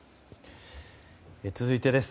続いてです。